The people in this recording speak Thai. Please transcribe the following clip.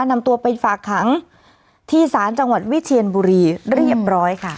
นำตัวไปฝากขังที่ศาลจังหวัดวิเชียนบุรีเรียบร้อยค่ะ